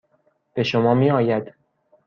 به شما میآید.